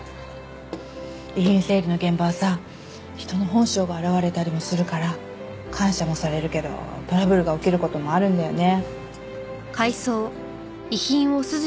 遺品整理の現場はさ人の本性が現れたりもするから感謝もされるけどトラブルが起きる事もあるんだよね。